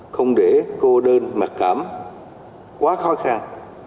không để cô đơn mặc cảm quá khó khăn